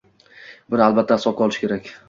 Buni albatta hisobga olish kerak.